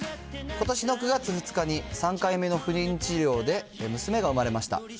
ことしの９月２日に、３回目の不妊治療で娘が産まれました。